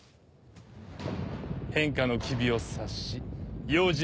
変化の機微を察し用心